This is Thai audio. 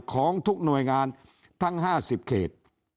ของทุกหน่วยงานทั้ง๕๐เขต